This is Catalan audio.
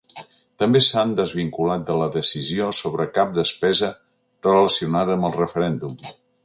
També s’han desvinculat de la decisió sobre cap despesa relacionada amb el referèndum.